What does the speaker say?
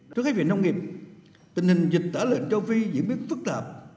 trước các viện nông nghiệp tình hình dịch tả lệnh châu phi diễn biến phức tạp